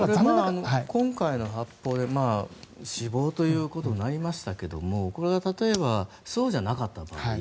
今回の発砲で死亡ということになりましたけどこれが例えばそうじゃなかった時